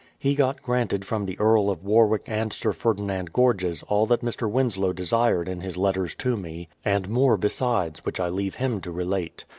He got granted from the Earl of War wick and Sir Ferdinand Gorges all that Mr. Winslow desired in his letters to me, and more besides, which I leave him to relate.